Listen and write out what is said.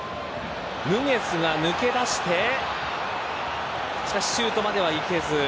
ヌニェスが抜け出してしかし、シュートまではいけず。